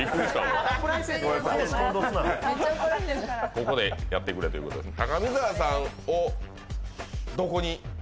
ここでやってくれということですね。